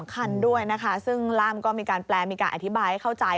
คันด้วยนะคะซึ่งร่ามก็มีการแปลมีการอธิบายให้เข้าใจ